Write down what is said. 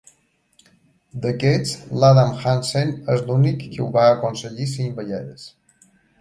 D'aquests, l'Adam Hansen és l'únic que ho va aconseguir cinc vegades.